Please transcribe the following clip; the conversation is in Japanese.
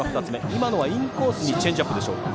今のはインコースにチェンジアップでしょうか。